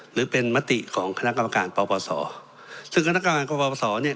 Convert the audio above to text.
หรือเป็นมติของคณะกรรมการปปศซึ่งคณะกรรมการกรปศเนี่ย